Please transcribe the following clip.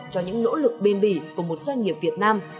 cho những nỗ lực bên bỉ của một doanh nghiệp việt nam